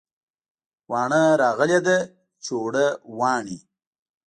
واڼه راغلې ده چې اوړه واڼي